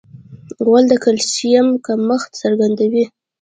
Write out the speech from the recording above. غول د کلسیم کمښت څرګندوي.